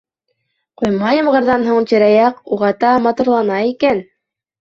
Ҡойма ямғырҙан һуң тирә-яҡ уғата матурлана икән!